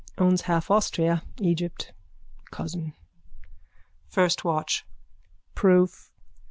_ Owns half Austria. Egypt. Cousin. FIRST WATCH: Proof.